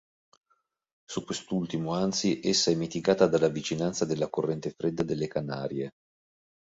Su quest'ultimo, anzi, essa è mitigata dalla vicinanza della corrente fredda delle Canarie.